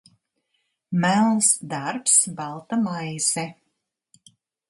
Melns darbs, balta maize.